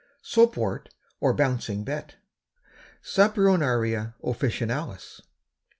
SOAPWORT OR BOUNCING BET. (_Saponaria officinalis.